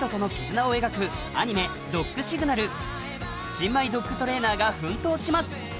新米ドッグトレーナーが奮闘します。